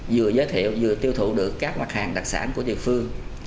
vừa giới thiệu vừa tiêu thụ được các mặt hàng đặc sản của địa phương